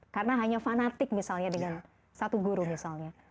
karena hanya fanatik misalnya dengan satu guru misalnya